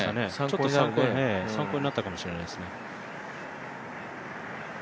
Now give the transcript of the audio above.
ちょっと参考になったかもしれないですね。